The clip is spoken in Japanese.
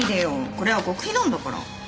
これは極秘なんだから。